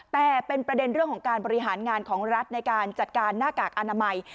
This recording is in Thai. แต่เป็นประเด็นเรื่องของการบริหารงานของรัฐในการจัดการหน้ากากอนามัย